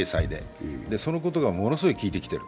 そのことがものすごく効いてきている。